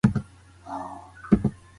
که صابون وي نو مکروب نه پاتې کیږي.